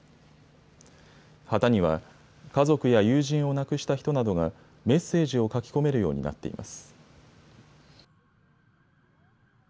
旗には、家族や友人を亡くした人などがメッセージを書き込めるようになっています。